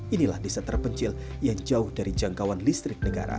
inilah desa terpencil yang jauh dari jangkauan listrik negara